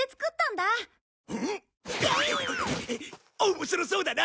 面白そうだな！